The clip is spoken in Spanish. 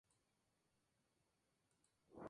Esto coincidió con el lanzamiento del Mercury Cougar.